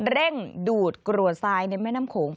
เร่งดูดกรัวทรายในแม่น้ำโขง